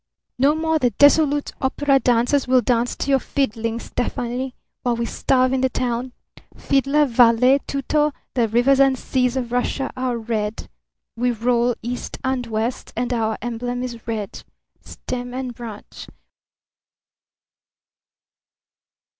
"No more the dissolute opera dancers will dance to your fiddling, Stefani, while we starve in the town. Fiddler, valet, tutor, the rivers and seas of Russia are red. We roll east and west, and our emblem is red. Stem and branch!